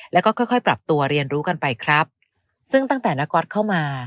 แล้วก็ค่อยค่อยปรับตัวเรียนรู้กันไปครับซึ่งตั้งแต่นักก๊อตเข้ามา